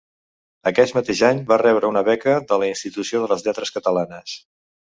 Aquest mateix any va rebre una beca de la Institució de les Lletres Catalanes.